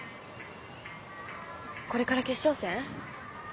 これから決勝戦？